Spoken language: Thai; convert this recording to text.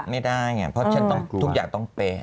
ไม่ได้ไงเพราะฉันต้องทุกอย่างต้องเป๊ะ